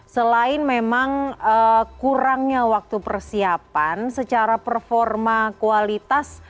selain memang kurangnya waktu persiapan secara performa kualitas